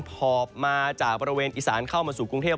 หอบมาจากบริเวณอีสานเข้ามาสู่กรุงเทพ